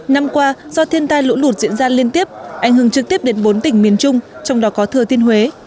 năm qua do thiên tai lũ lụt diễn ra liên tiếp ảnh hưởng trực tiếp đến bốn tỉnh miền trung trong đó có thừa thiên huế